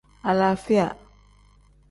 Alaafiya.